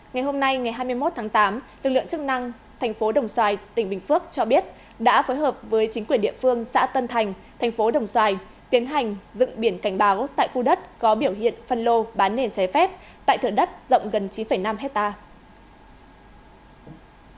ngày hôm nay ngày hai mươi một tháng tám lực lượng chức năng thành phố đồng xoài tỉnh bình phước cho biết đã phối hợp với chính quyền địa phương xã tân thành thành phố đồng xoài tiến hành dựng biển cảnh báo tại khu đất có biểu hiện phân lô bán nền trái phép tại thượng đất rộng gần chín năm hectare